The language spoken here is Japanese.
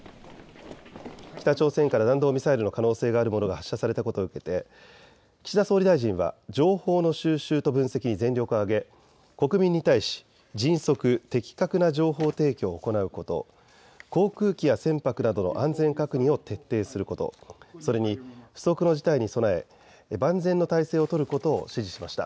北朝鮮から弾道ミサイルの可能性があるものが発射されたことを受けて岸田総理大臣は情報の収集と分析に全力を挙げ国民に対し迅速・的確な情報提供を行うこと、航空機や船舶などの安全確認を徹底すること、それに不測の事態に備え万全の態勢を取ることを指示しました。